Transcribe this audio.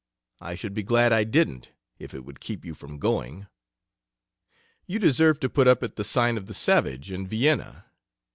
I should be glad I didn't, if it would keep you from going. You deserve to put up at the Sign of the Savage in Vienna.